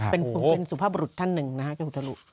เป็นสุภาพบรุษท่านหนึ่งนะครับแก้หูทะลุ